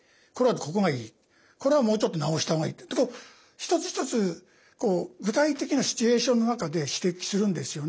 「これはもうちょっと直した方がいい」ってことを一つ一つ具体的なシチュエーションの中で指摘するんですよね。